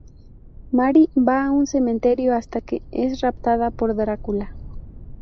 Mary va a un cementerio, hasta que es raptada por Drácula.